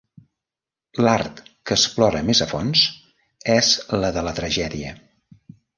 L'art que explora més a fons és la de la tragèdia.